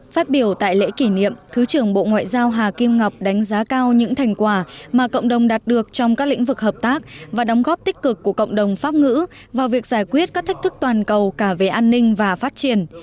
phát biểu tại lễ kỷ niệm thứ trưởng bộ ngoại giao hà kim ngọc đánh giá cao những thành quả mà cộng đồng đạt được trong các lĩnh vực hợp tác và đóng góp tích cực của cộng đồng pháp ngữ vào việc giải quyết các thách thức toàn cầu cả về an ninh và phát triển